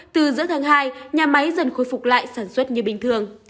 từ giữa tháng hai nhà máy dần khôi phục lại sản xuất như bình thường